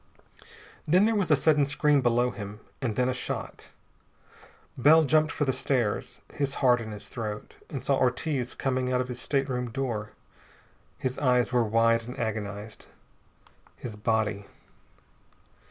Then there was a sudden scream below him, and then a shot. Bell jumped for the stairs, his heart in his throat, and saw Ortiz coming out of his stateroom door. His eyes were wide and agonized. His body....